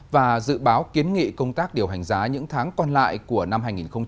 và dự báo kiến nghị công tác điều hành giá những tháng còn lại của năm hai nghìn hai mươi